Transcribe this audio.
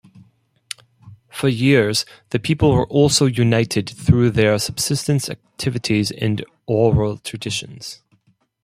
For years the people were also united through their subsistence activities and oral traditions.